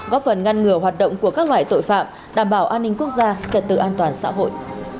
góp phần ngăn ngừa hoạt động của các loại tội phạm đảm bảo an ninh quốc gia trật tự an toàn xã hội